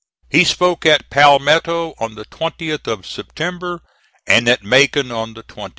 He spoke at Palmetto on the 20th of September, and at Macon on the 22d.